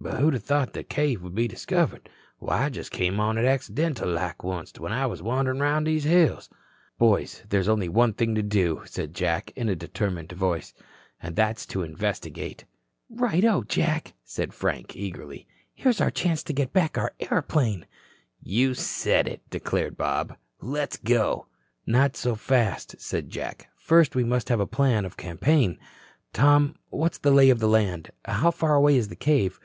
But who'da thought that cave would be discovered. Why, I just come on it accidental like onct when I was wanderin' through these hills." "Boys, there's only one thing to do," said Jack in a determined voice, "and that's to investigate." "Righto, Jack," said Frank eagerly. "Here's our chance to get back our airplane." "You said it," declared Bob. "Let's go." "Not so fast," said Jack. "First we must have a plan of campaign. Tom, what's the lay of the land? How far away is the cave?